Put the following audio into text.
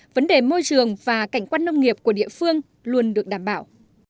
vấn đề môi trường và cảnh quan nông nghiệp của địa phương luôn được đảm bảo